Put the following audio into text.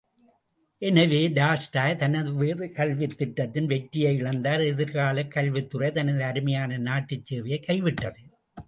எனவே, டால்ஸ்டாய் தனது கல்வித் திட்டத்தின் வெற்றியை இழந்தார் எதிர்காலக் கல்வித்துறை தனது அருமையான நாட்டுச் சேவையைக் கைவிட்டது!